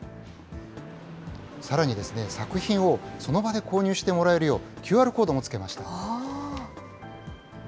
さらにですね、作品をその場で購入してもらえるよう、ＱＲコードもつけました。